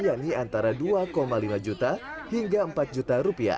yakni antara dua lima juta hingga empat juta rupiah